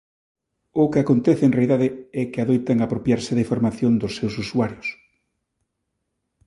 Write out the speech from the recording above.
O que acontece en realidade é que adoitan apropiarse da información dos seus usuarios.